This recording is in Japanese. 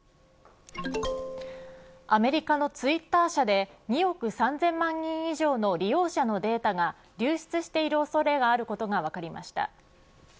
アメリカのツイッター社で２億３０００万人以上の利用者のデータが流出している恐れがあることが分かりました。